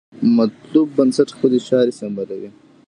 مطلوب بنسټ خپلې چارې سمبالوي.